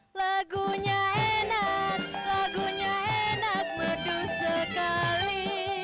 lagunya enak lagunya enak merdu sekali